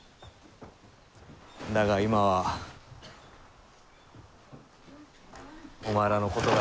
だが今はお前らのことが。